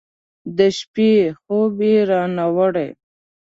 د شپې خوب یې رانه وړی